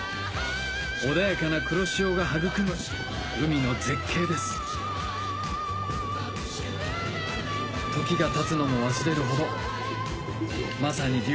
穏やかな黒潮が育む海の絶景です時がたつのも忘れるほどまさに竜